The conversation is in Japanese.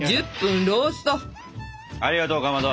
ありがとうかまど！